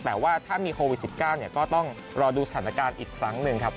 แต่ว่าถ้ามีโควิด๑๙ก็ต้องรอดูสถานการณ์อีกครั้งหนึ่งครับ